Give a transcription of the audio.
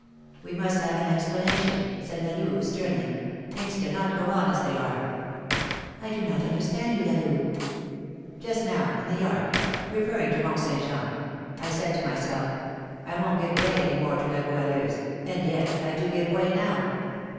"We must have an explanation," said La Louve, sternly; "things cannot go on as they are." "I do not understand you, La Louve." "Just now, in the yard, referring to Mont Saint Jean, I said to myself, 'I won't give way any more to La Goualeuse,' and yet I do give way now."